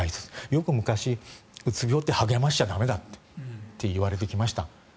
よく昔、うつ病って励ましたら駄目だといわれてきました。